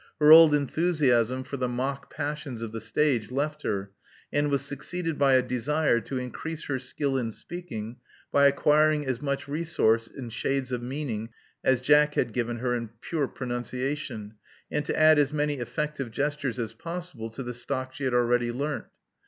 Her old enthusiasm for the mock passions of the stage left her, and was succeeded by a desire to increase her skill in speaking by acquiring as much resource in shades of meaning as Jack had given her in pure pronunciation, and to add as many effective gestures as possible to the stock she had already learnt.